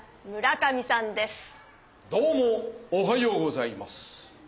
どうもおはようございます。